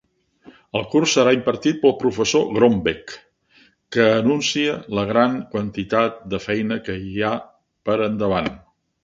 El curs serà impartit pel professor Grombek, que anuncia la gran quantitat de feina que hi ha per endavant.